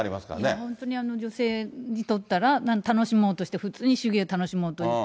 本当に、女性にとったら、楽しもうとして、普通に手芸を楽しもうと行く。